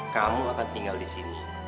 kamu akan tinggal di sini